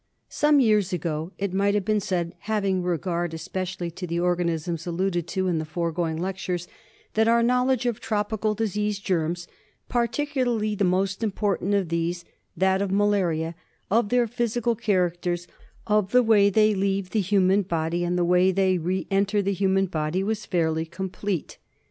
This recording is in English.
Some years ago it might have been said, having regard especially to the organisms alluded to in the foregoing lectures, that our knowledge of tropical disease germs — particularly the most important of these, that of malaria, of their physical characters, of the way they leave the human body and the way they re enter the human body, was fairly complete.